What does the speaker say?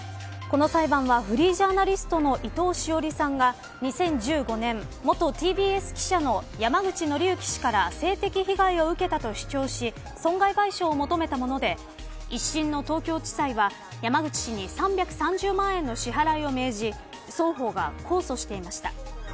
この裁判はフリージャーナリストの伊藤詩織さんが２０１５年、元ＴＢＳ記者の山口敬之氏から性的被害受けたと主張し損害賠償を求めたもので一審の東京地裁は山口氏に３３０万円の支払いを命じ双方が控訴していました。